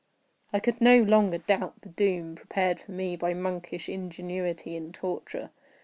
I could no longer doubt the doom prepared for me by monkish ingenuity in torture.